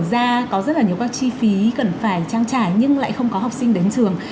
thực ra có rất là nhiều các chi phí cần phải trang trải nhưng lại không có học sinh đến trường